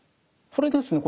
これですね